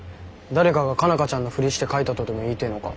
誰かが佳奈花ちゃんのふりして書いたとでも言いてえのか？